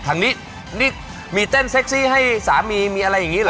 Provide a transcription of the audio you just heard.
ทางนี้นี่มีเต้นเซ็กซี่ให้สามีมีอะไรอย่างนี้เหรอ